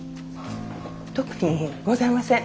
特にございません。